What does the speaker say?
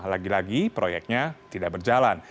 lagi lagi proyeknya tidak berjalan